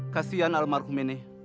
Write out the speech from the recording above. kasian almarhum ini